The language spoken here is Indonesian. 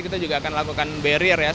kita akan membuat kontrak